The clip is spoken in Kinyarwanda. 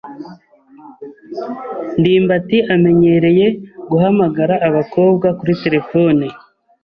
ndimbati amenyereye guhamagara abakobwa kuri terefone.